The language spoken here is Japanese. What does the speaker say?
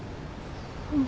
うん。